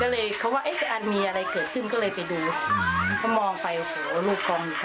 ก็เลยเขาว่าเอ๊ะมีอะไรเกิดขึ้นก็เลยไปดู